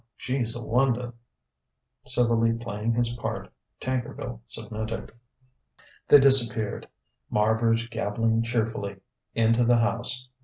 She's a wonder!" Civilly playing his part, Tankerville submitted. They disappeared Marbridge gabbling cheerfully into the house.